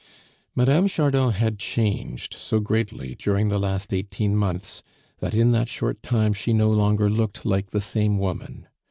Mme. Chardon had changed so greatly during the last eighteen months, that in that short time she no longer looked like the same woman.